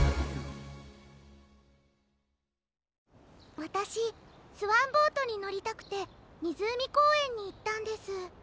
わたしスワンボートにのりたくてみずうみこうえんにいったんです。